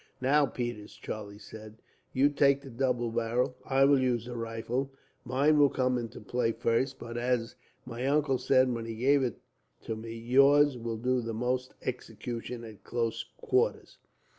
"Now, Peters," Charlie said, "you take the double barrel. I will use the rifle. Mine will come into play first, but, as my uncle said when he gave it me, yours will do most execution at close quarters."